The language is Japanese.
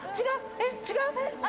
えっ違う？